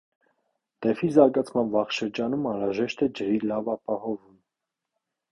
Տեֆի զարգացման վաղ շրջանում անհրաժեշտ է ջրի լավ ապահովում։